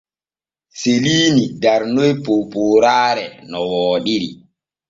Seliini darnoy poopooraare no wooɗiri.